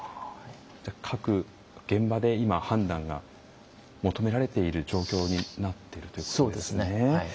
各現場で今、判断が求められている状況になっているということですね。